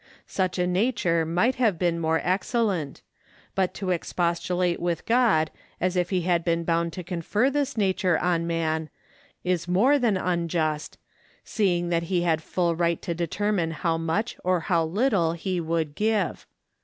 Such a nature might have been more excellent; but to expostulate with God as if he had been bound to confer this nature on man, is more than unjust, seeing he had full right to determine how much or how little he would give.